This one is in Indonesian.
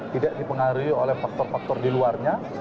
tidak dipengaruhi oleh faktor faktor di luarnya